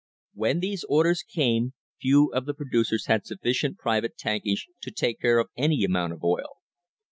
When these orders came, few of the producers had sufficient private tankage to take care of any amount of oil.